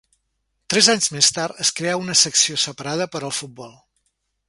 Tres anys més tard es creà una secció separada per al futbol.